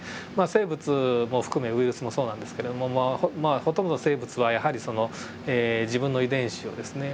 生物も含めウイルスもそうなんですけどもほとんどの生物はやはりその自分の遺伝子をですね